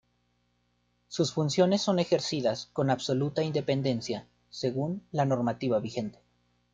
Sus funciones son ejercidas con absoluta independencia según la normativa vigente.